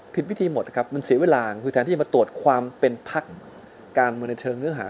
ผิดวิธีหมดครับมันเสียเวลาคือแทนที่จะมาตรวจความเป็นพักการเมืองในเชิงเนื้อหา